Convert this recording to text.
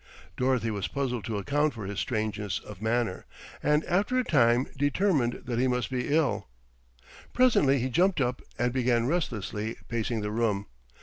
Dorothy was puzzled to account for his strangeness of manner, and after a time determined that he must be ill. Presently he jumped up and began restlessly pacing the room.